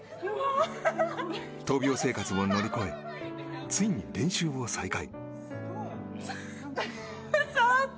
闘病生活も乗り越えついに練習を再開。